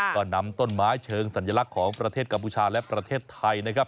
ก็นำต้นไม้เชิงสัญลักษณ์ของประเทศกัมพูชาและประเทศไทยนะครับ